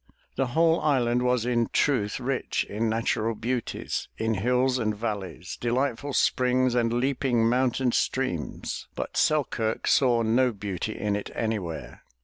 The whole island was in truth rich in natural beauties, in hills and valleys, delightful springs and leaping mountain streams, but Selkirk saw no beauty in it anywhere.